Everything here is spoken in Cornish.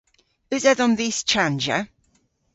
Eus edhom dhis chanjya?